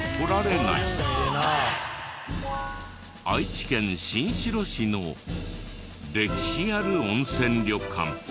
愛知県新城市の歴史ある温泉旅館。